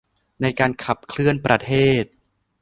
ในการขับเคลื่อนประเทศ